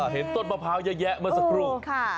เห็นต้นมะพร้าวเยอะแยะเมื่อสักครู่